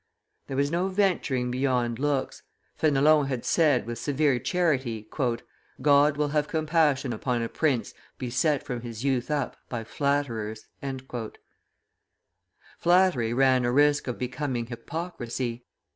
There was no venturing beyond looks. Fenelon had said, with severe charity, "God will have compassion upon a prince beset from his youth up by flatterers." Flattery ran a risk of becoming hypocrisy.